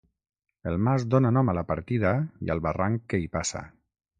El mas dóna nom a la partida i al barranc que hi passa.